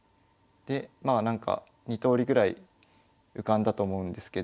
でまあなんか２とおりぐらい浮かんだと思うんですけど。